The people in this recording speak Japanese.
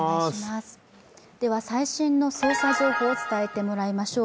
最新の捜査情報を伝えてもらいましょう。